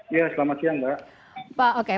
iya selamat siang mbak